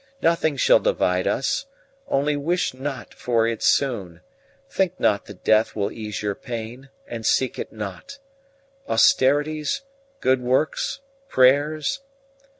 Nothing shall divide us. Only wish not for it soon; think not that death will ease your pain, and seek it not. Austerities? Good works? Prayers?